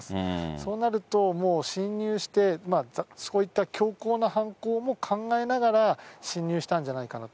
そうなると、もう侵入して、そういった強硬な犯行も考えながら侵入したんじゃないかなと。